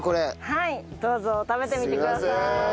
はいどうぞ食べてみてください。